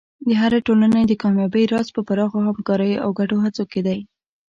د هرې ټولنې د کامیابۍ راز په پراخو همکاریو او ګډو هڅو کې دی.